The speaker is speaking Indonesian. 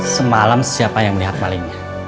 semalam siapa yang melihat malingnya